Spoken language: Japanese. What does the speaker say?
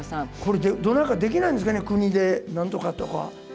これ、どうにかできないんですかね、国で、なんとか。